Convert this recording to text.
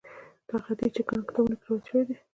دغه حدیث چې په ګڼو کتابونو کې روایت شوی دی.